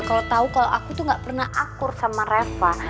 kalau tahu kalau aku itu enggak pernah akur sama reva